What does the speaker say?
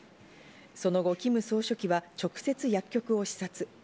その後、キム総書記は直接、薬局を視察。